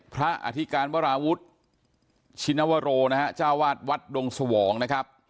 พระอธิการวราวุฒิชินวโวโรนะครับเจ้าอาวาสวัดดงสวองนะครับ